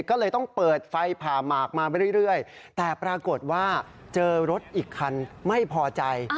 ก็เลยต้องเปิดไฟผ่าหมากมาไปเรื่อยแต่ปรากฏว่าเจอรถอีกคันไม่พอใจ